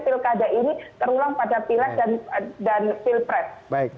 pil kj ini terulang pada pil lek